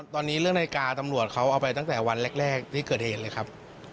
ตอนนี้เรื่องนาฬิกาตำรวจเขาเอาไปตั้งแต่วันแรกที่เกิดเหตุเลยครับ